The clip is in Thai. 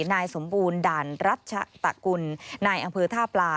นายสมบูรณ์ด่านรัชตะกุลนายอำเภอท่าปลา